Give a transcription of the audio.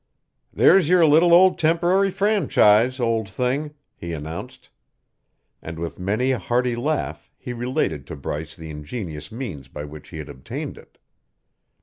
"There's your little old temporary franchise, old thing," he announced; and with many a hearty laugh he related to Bryce the ingenious means by which he had obtained it.